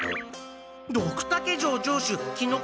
ドクタケ城城主キノコ